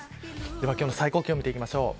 では今日の最高気温を見ていきましょう。